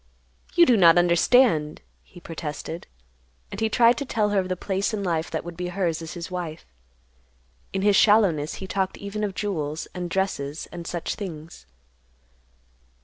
"You do not understand," he protested, and he tried to tell her of the place in life that would be hers as his wife. In his shallowness, he talked even of jewels, and dresses, and such things.